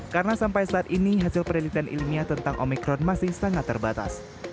karena sampai saat ini hasil penelitian ilmiah tentang omikron masih sangat terbatas